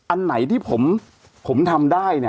อันไหนที่ผมทำได้เนี่ย